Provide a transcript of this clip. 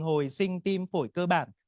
hồi sinh tim phổi cơ bản